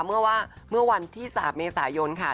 เมื่อวันที่๓เมษายนค่ะ